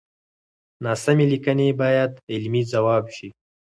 ناسمې ليکنې بايد علمي ځواب شي.